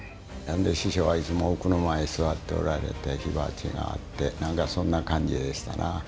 師匠はいつも奥の間へ座っておられて火鉢があって何かそんな感じでしたな。